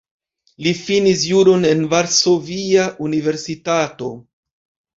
Li finis juron en Varsovia Universitato.